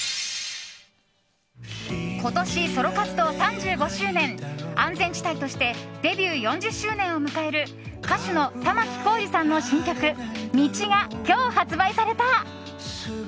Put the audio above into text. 今年、ソロ活動３５周年安全地帯としてデビュー４０周年を迎える歌手の玉置浩二さんの新曲「星路」が今日、発売された。